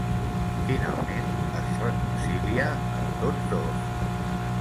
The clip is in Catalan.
Finalment, es reconcilia amb tots dos.